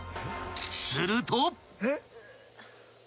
［すると］